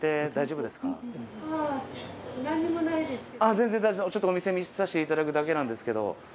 全然大丈夫ちょっとお店見させていただくだけなんですけど。